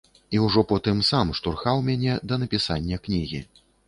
І ўжо потым сам штурхаў мяне да напісання кнігі.